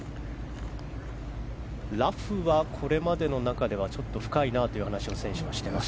ラフはこれまでの中ではちょっと深いなという話をしていました。